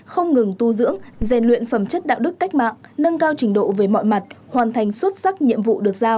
không ngừng tu dưỡng rèn luyện phẩm chất đạo đức cách mạng nâng cao trình độ về mọi mặt hoàn thành xuất sắc nhiệm vụ được giao